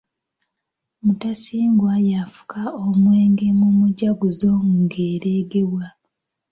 Mutasingwa y'afuka omwenge mu mujaguzo ng’eregebwa.